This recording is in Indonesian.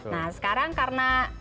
nah sekarang karena